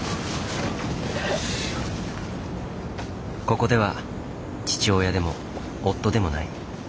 ここでは父親でも夫でもない。